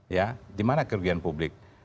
ya di mana kerugian publik